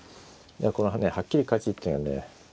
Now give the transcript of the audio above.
このねはっきり勝ちっていうのはね